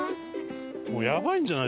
もうやばいんじゃない？